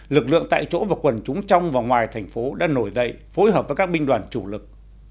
lực lượng tại chỗ và quần chúng trong và ngoài thành phố đã nổi dậy phối hợp với các binh đoàn chủ lực